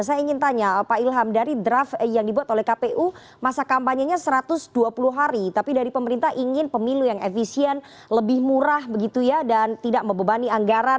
saya ingin tanya pak ilham dari draft yang dibuat oleh kpu masa kampanyenya satu ratus dua puluh hari tapi dari pemerintah ingin pemilu yang efisien lebih murah begitu ya dan tidak membebani anggaran